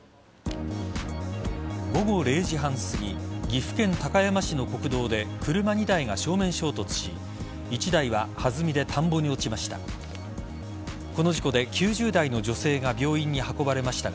午後０時半すぎ岐阜県高山市の国道で車２台が正面衝突し１台は、弾みで田んぼに落ちました。